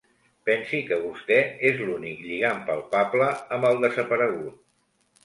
Pensi que vostè és l'únic lligam palpable amb el desaparegut.